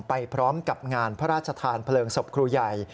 ไปพร้อมกับงานพระราชทานเพลิงศพครูใหญ่